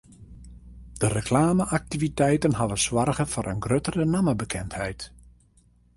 De reklame-aktiviteiten hawwe soarge foar in gruttere nammebekendheid.